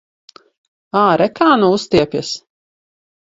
Āre, kā nu uztiepjas!